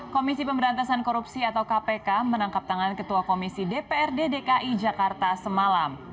komisi pemberantasan korupsi atau kpk menangkap tangan ketua komisi dprd dki jakarta semalam